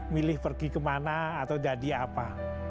milih pergi kemana atau jadi apa